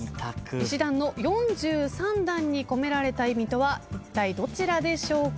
石段の四十三段に込められた意味とはいったいどちらでしょうか？